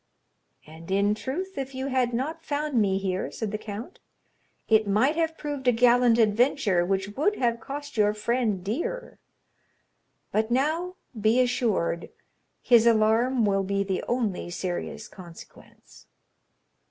"And, in truth, if you had not found me here," said the count, "it might have proved a gallant adventure which would have cost your friend dear; but now, be assured, his alarm will be the only serious consequence."